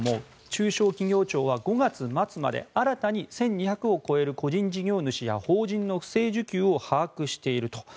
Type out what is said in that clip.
中小企業庁は５月末まで新たに１２００を超える個人事業主や法人の不正受給を把握していると。